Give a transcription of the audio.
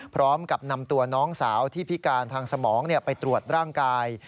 พร้อมกับนำตัวน้องสาวที่พิการทางสมองไปตรวจร่างกาย